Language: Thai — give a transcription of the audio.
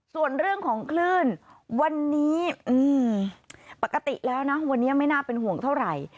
ส่วนเรื่องของคลื่นวันนี้ปกติแล้วนะวันนี้ไม่น่าเป็นห่วงเท่าไหร่